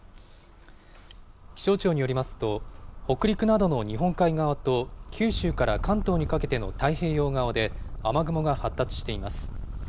気象庁によりますと、北陸などの日本海側と九州から関東にかけての太平洋側で雨雲が発達しています。